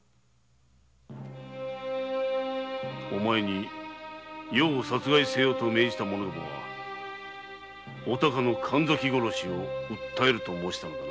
お前に余を殺害せよと命じた者どもはお孝の神崎殺しを訴えると申したのだな。